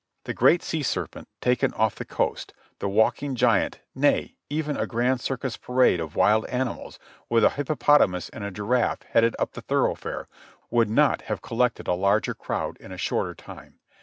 The great sea serpent, taken off the coast ; the walking giant, nay, even a grand circus parade of wild animals, with a hippopot amus and a giraffe heading up the thoroughfare, would not have collected a larger crowd in a shorter time.